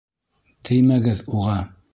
Теймәгеҙ уға!